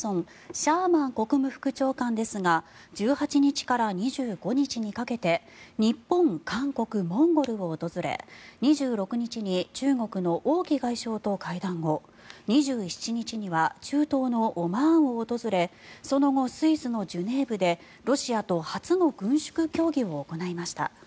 シャーマン国務副長官ですが１８日から２５日にかけて日本、韓国、モンゴルを訪れ２６日に中国の王毅外相と会談後２７日には中東のオマーンを訪れその後スイスのジュネーブでロシアと初の軍縮協議を行いました。